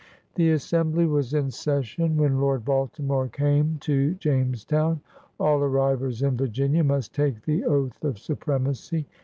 The Assembly was in session when Lord Balti more came to Jamestown. All arrivers in Virginia must take the oath of supremacy.